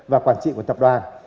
và quản trị của tập đoàn